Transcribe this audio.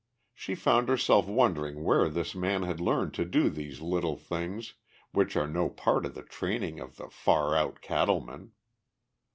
She found herself wondering where this man had learned to do these little things which are no part of the training of the far out cattle men.